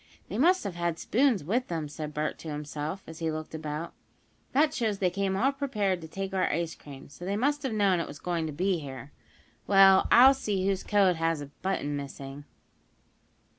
"They must have had spoons with them," said Bert to himself, as he looked about, "That shows they came all prepared to take our ice cream. So they must have known it was going to be here. Well, I'll see whose coat has a button missing."